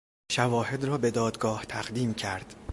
شواهد را به دادگاه تقدیم کرد.